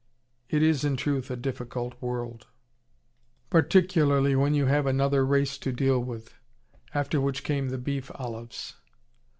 It is in truth a difficult world, particularly when you have another race to deal with. After which came the beef olives.